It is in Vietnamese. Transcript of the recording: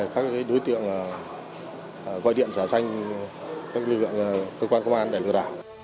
các cái đối tượng gọi điện giả danh các cơ quan công an để lừa đảo